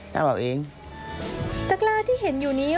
ตากล้าที่เห็นอยู่นี่